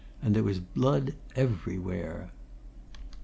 And there was blood everywhere.